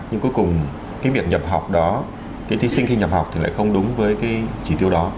nhưng cuối cùng cái việc nhập học đó cái thí sinh khi nhập học thì lại không đúng với cái chỉ tiêu đó